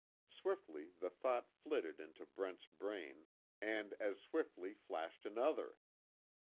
Swiftly the thought flitted into Brent's brain, and as swiftly flashed another.